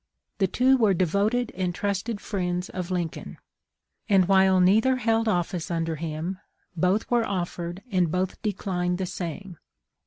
The two were devoted and trusted friends of Lincoln ; and while neither held office under him, both were offered and both declined the same.